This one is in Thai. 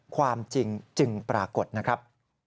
ความจริงจึงปรากฏนะครับ